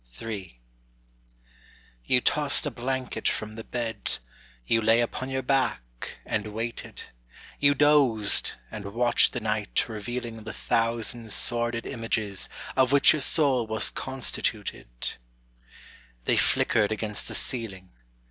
III You tossed a blanket from the bed, You lay upon your back, and waited; You dozed, and watched the night revealing The thousand sordid images Of which your soul was constituted; They flickered against the ceiling.